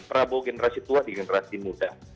prabowo generasi tua di generasi muda